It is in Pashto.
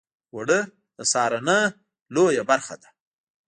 اوړه د سهارنۍ لویه برخه ده